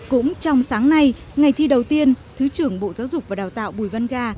cũng trong sáng nay ngày thi đầu tiên thứ trưởng bộ giáo dục và đào tạo bùi văn ga